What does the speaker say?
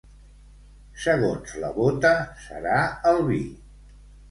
Segons la bota serà el vi.